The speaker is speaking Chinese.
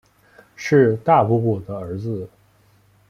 是大姑姑的儿子